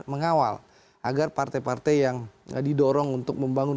mengawal agar partai partai yang didorong untuk membangun